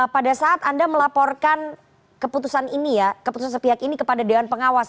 pada saat anda melaporkan keputusan ini ya keputusan sepihak ini kepada dewan pengawas